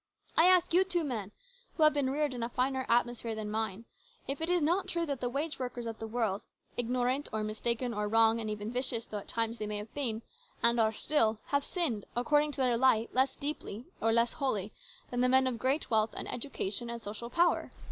I ask you two men, who have been reared in a finer atmosphere than mine, if it is not true that the wage workers of the world, ignorant or mistaken or wrong and even vicious though at times they may have been, and are still, have sinned according to their light less deeply or less wholly than the men of great wealth and education and social power.